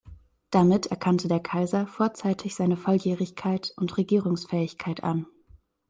Damit erkannte der Kaiser vorzeitig seine Volljährigkeit und Regierungsfähigkeit an.